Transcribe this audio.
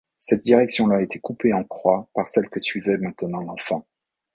Cette direction-là était coupée en croix par celle que suivait maintenant l’enfant.